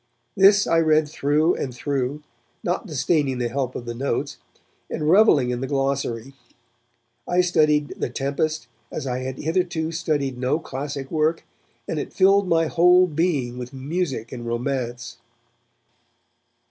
This I read through and through, not disdaining the help of the notes, and revelling in the glossary. I studied The Tempest as I had hitherto studied no classic work, and it filled my whole being with music and romance.